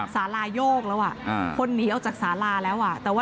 ศาลายกแล้วคนนี้เอาจากศาลาแล้ว